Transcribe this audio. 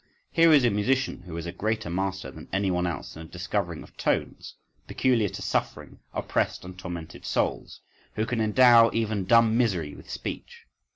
Here is a musician who is a greater master than anyone else in the discovering of tones, peculiar to suffering, oppressed, and tormented souls, who can endow even dumb misery with speech.